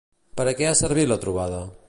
Per a què ha servit la trobada?